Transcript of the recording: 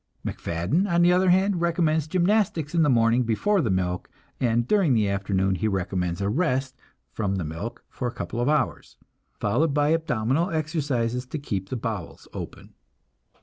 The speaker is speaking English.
MacFadden, on the other hand, recommends gymnastics in the morning before the milk, and during the afternoon he recommends a rest from the milk for a couple of hours, followed by abdominal exercises to keep the bowels open.